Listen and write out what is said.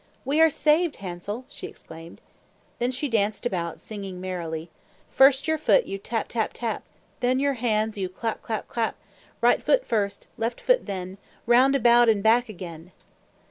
"We are saved, Hansel!" she exclaimed. Then she danced about, singing merrily, "First your foot you tap, tap, tap, Then your hands you clap, clap, clap; Right foot first, left foot then, Round about and back again."